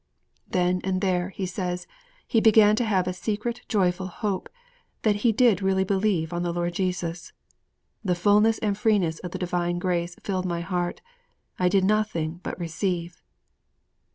_' Then and there, he says, he began to have a secret joyful hope that he did really believe on the Lord Jesus. 'The fullness and freeness of the divine grace filled my heart; I did nothing but receive!'